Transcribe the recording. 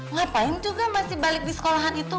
ngapain juga masih balik di sekolahan itu